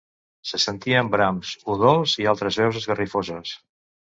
Se sentien brams, udols i altres veus esgarrifoses.